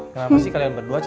kenapa sih kalian berdua